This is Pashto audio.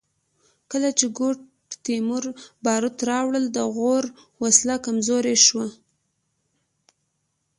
کله چې ګوډ تیمور باروت راوړل د غور وسله کمزورې شوه